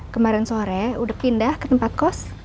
kemarin sore udah pindah ke tempat kos